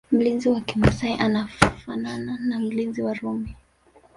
Mlinzi wa kimasai anafanana na mlinzi wa Rumi